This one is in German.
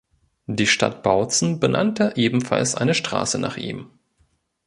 Die Stadt Bautzen benannte ebenfalls eine Straße nach ihm.